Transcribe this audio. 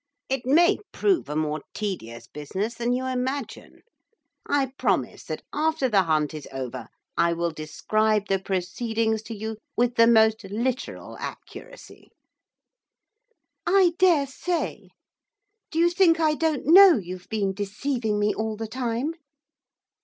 It may prove a more tedious business than you imagine. I promise that, after the hunt is over, I will describe the proceedings to you with the most literal accuracy.' 'I daresay. Do you think I don't know you've been deceiving me all the time?